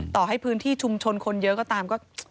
ต่อให้พื้นที่ชุมชนคนเยอะก็ตามก็